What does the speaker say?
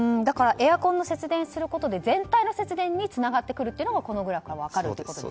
エアコンの節電をすることで全体の節電につながってくるというのもこのグラフから分かると。